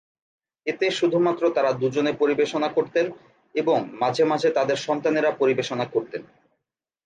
এতে শুধুমাত্র তারা দুজনে পরিবেশনা করতেন এবং মাঝে মাঝে তাদের সন্তানেরা পরিবেশনা করতেন।